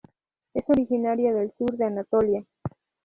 Es originaria del sur de Anatolia.